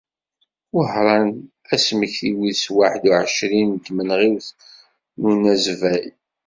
Wehran, asmekti wis waḥed u εecrin n tmenɣiwt n unazbay.